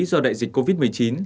do đại dịch covid một mươi chín